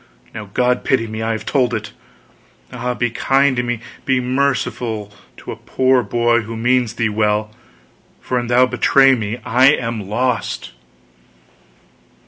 Now God pity me, I have told it! Ah, be kind to me, be merciful to a poor boy who means thee well; for an thou betray me I am lost!"